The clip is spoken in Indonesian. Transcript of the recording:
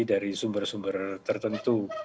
dari sumber sumber tertentu